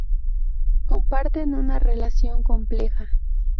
Comparten una relación compleja.